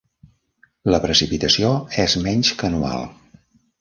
La precipitació és menys que anual.